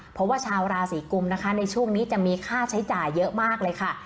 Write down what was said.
เพราะว่าชาวราศีกุมนะคะในช่วงนี้จะมีค่าใช้จ่ายเยอะมากเลยค่ะ